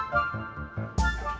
bener ya kak